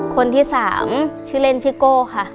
คนที่สามชื่อเล่นชิโก่ค่ะ